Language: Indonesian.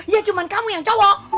ya cuma kamu yang cowok